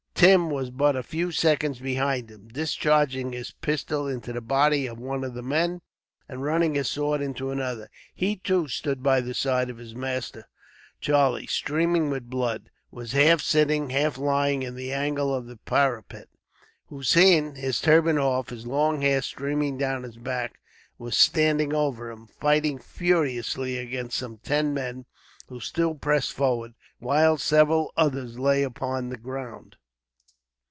Tim was but a few seconds behind him. Discharging his pistol into the body of one of the men, and running his sword into another, he, too, stood by the side of his master. Charlie, streaming with blood, was half sitting, half lying in the angle of the parapet. Hossein, his turban off, his long hair streaming down his back, was standing over him, fighting furiously against some ten men, who still pressed forward, while several others lay upon the ground.